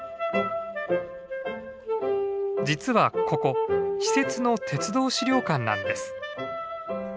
実はここ私設の鉄道資料館なんです。